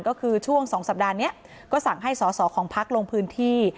ก็คือช่วง๒สัปดาห์นี้ก็สั่งให้สอสอของพักลงพื้นที่